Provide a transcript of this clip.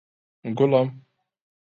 گوڵم!